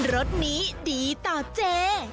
รถนี้ดีต่อเจ